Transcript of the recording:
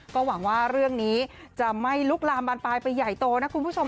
ก็หวังว่าเรื่องนี้จะไม่ลุกลามบานปลายไปใหญ่โตนะคุณผู้ชม